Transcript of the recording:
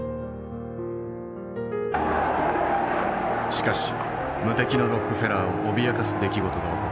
しかし無敵のロックフェラーを脅かす出来事が起こった。